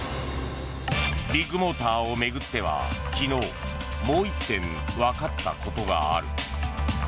ビッグモーターを巡っては昨日もう１点わかったことがある。